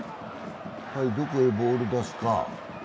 はい、どこへボール出すか。